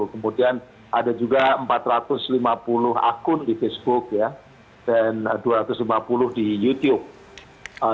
kemudian ada juga empat ratus lima puluh akun di facebook dan dua ratus lima puluh di youtube